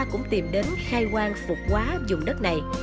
cũng tìm đến khai quang phục quá dùng đất này